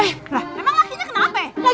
emang lakinya kenapa ya